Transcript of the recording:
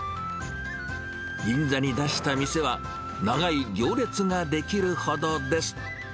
銀座に出した店は、長い行列が出来るほどです。